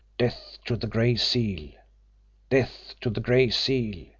"Death to the Gray Seal! Death to the Gray Seal!"